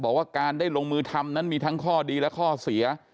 บอกว่าการได้ลงมือทำนั้นมีทั้งข้อดีและข้อเสีย